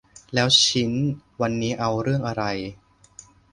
แล้วชิ้นวันนี้เอาเรื่องอะไร